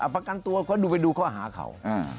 ประกันตัวเขาดูไปดูข้อหาเขา